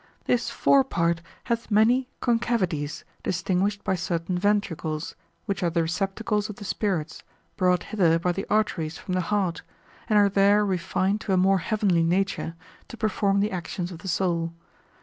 This fore part hath many concavities distinguished by certain ventricles, which are the receptacles of the spirits, brought hither by the arteries from the heart, and are there refined to a more heavenly nature, to perform the actions of the soul.